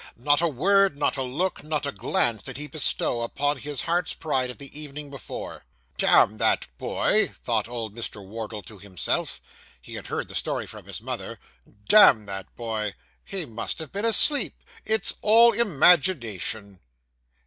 Not a word, not a look, not a glance, did he bestow upon his heart's pride of the evening before. 'Damn that boy!' thought old Mr. Wardle to himself. He had heard the story from his mother. 'Damn that boy! He must have been asleep. It's all imagination.